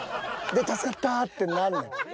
で助かったってなんねん。